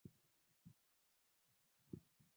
Si fukwe tu bali Zanzibar kuna vivutio vingi vya asili